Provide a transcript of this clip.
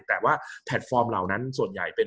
กับการสตรีมเมอร์หรือการทำอะไรอย่างเงี้ย